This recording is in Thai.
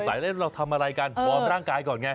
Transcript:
ใส่เล่นว่าเราทำอะไรกันอร่อยร่างกายก่อนไง